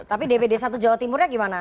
tapi dpd satu jawa timurnya gimana